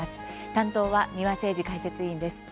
担当は三輪誠司解説委員です。